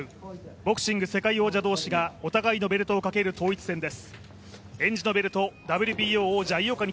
ボクシング世界王者同士がお互いのベルトをかける統一戦です。